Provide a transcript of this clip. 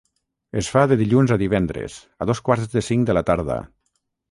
Es fa de dilluns a divendres, a dos quarts de cinc de la tarda.